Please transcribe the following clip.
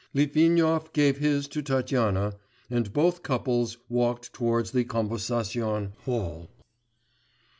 Litvinov gave his to Tatyana, and both couples walked towards the Konversation Hall.